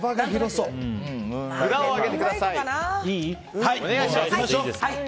札を上げてください。